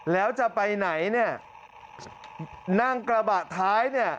แล้วจะไปไหนเนี่ยนั่งกระบะท้ายเนี่ย